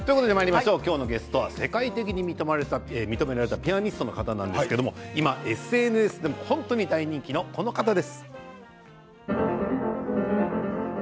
今日のゲストは世界的に認められたピアニストの方なんですけれども今、ＳＮＳでも本当に大人気の、この方です。